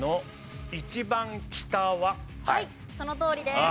はいそのとおりです。